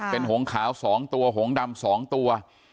เป็นหงขาว๒ตัวหงดำ๒ตัว